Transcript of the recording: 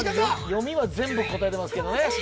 読みは全部答えてますけどね